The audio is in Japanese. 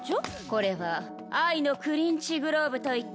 これは愛のクリンチグローブといって。